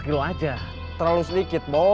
halo kamu udah siap